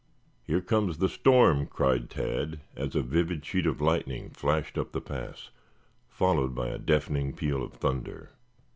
"Here comes the storm," cried Tad as a vivid sheet of lightning flashed up the pass, followed by a deafening peal of thunder.